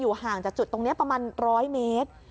อยู่ห่างจากจุดตรงเนี้ยประมาณร้อยเมตร